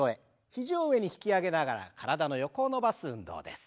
肘を上に引き上げながら体の横を伸ばす運動です。